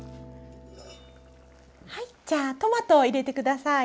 はいじゃあトマトを入れて下さい。